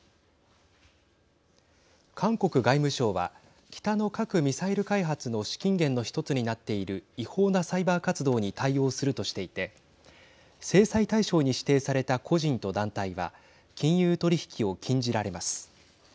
韓国外務省は北の核・ミサイル開発の資金源の１つになっている違法なサイバー活動に対応するとしていて制裁対象に指定された個人と団体は金融取り引きを禁じられます。